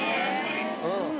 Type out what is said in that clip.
うん。